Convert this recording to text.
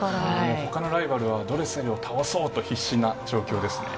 ほかのライバルはドレセルを倒そうと必死な状況ですね。